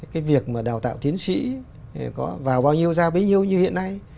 cái việc mà đào tạo tiến sĩ có vào bao nhiêu ra bấy nhiêu như hiện nay